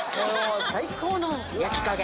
最高の焼き加減。